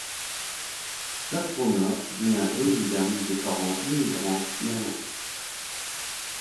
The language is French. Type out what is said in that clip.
Sax Rohmer naît à Birmingham de parents immigrants irlandais.